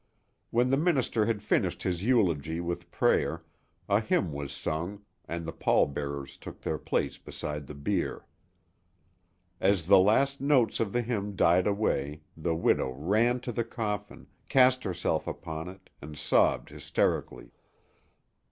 When the minister had finished his eulogy with prayer a hymn was sung and the pall bearers took their places beside the bier. As the last notes of the hymn died away the widow ran to the coffin, cast herself upon it and sobbed hysterically.